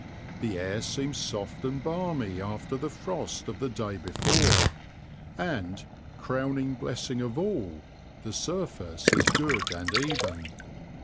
The air seems soft and balmy after the frost of the day before, and, crowning blessing of all, the surface is good and even.